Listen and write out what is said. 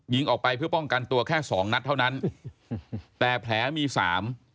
ยิงออกไปเพื่อป้องกันตัวแค่สองนัดเท่านั้นแต่แผลมีสาม